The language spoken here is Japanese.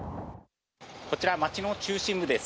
こちら町の中心部です。